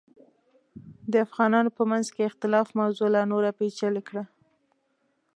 د افغانانو په منځ کې اختلاف موضوع لا نوره پیچلې کړه.